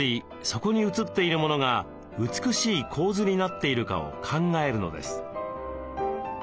そこに写っているモノが美しい構図になっているかを考えるのです。